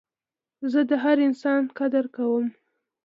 زه د هر انسان قدر کوم.